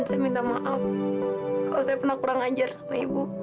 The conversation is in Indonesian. sampai jumpa di video selanjutnya